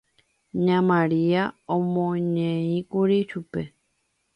Ña Maria omoneĩkuri chupe.